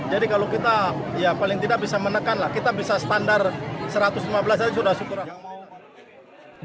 jadi kalau kita paling tidak bisa menekan kita bisa standar satu ratus lima belas sudah cukuran